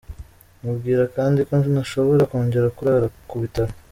Mubwira kandi ko ntashobora kongera kurara ku bitaro.